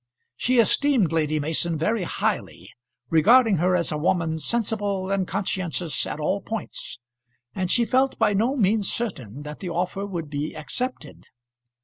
She esteemed Lady Mason very highly, regarding her as a woman sensible and conscientious at all points, and she felt by no means certain that the offer would be accepted.